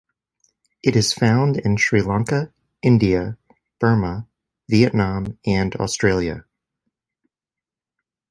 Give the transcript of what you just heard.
It is found in Sri Lanka, India, Burma, Vietnam and Australia.